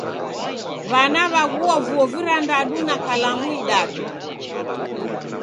W'ana w'aghua vuo virandadu na kalamu idadu